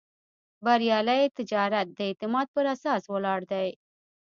بریالی تجارت د اعتماد پر اساس ولاړ دی.